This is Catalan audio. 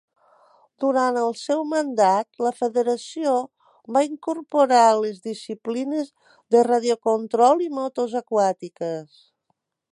Durant el seu mandat, la federació va incorporar les disciplines de radiocontrol i motos aquàtiques.